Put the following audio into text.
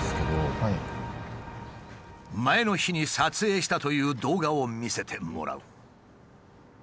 前の日に撮影したという動画を見せてもらう。